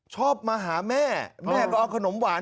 ชอบมาหาแม่แม่ก็เอาขนมหวาน